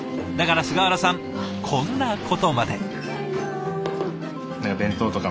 だから菅原さんこんなことまで。